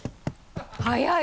早い！